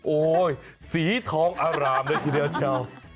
โอ้โฮสีทองอารามเลยทีเดียวเช่า